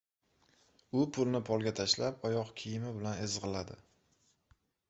U pulni polga tashlab, oyoqkiyimi bilan ezgʻiladi.